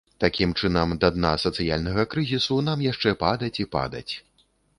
Такім чынам, да дна сацыяльнага крызісу нам яшчэ падаць і падаць.